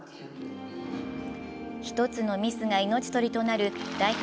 １つのミスが命取りとなる代表